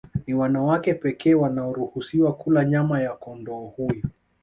Ni wanawake pekee wanaoruhusiwa kula nyama ya kondoo huyu